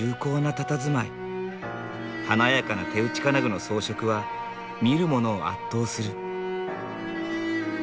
華やかな手打ち金具の装飾は見る者を圧倒する。